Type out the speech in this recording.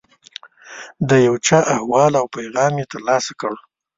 د یو چا احوال او پیغام یې ترلاسه کړ.